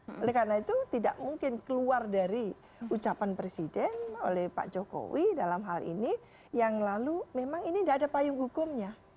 oleh karena itu tidak mungkin keluar dari ucapan presiden oleh pak jokowi dalam hal ini yang lalu memang ini tidak ada payung hukumnya